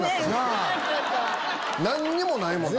何にもないもんな。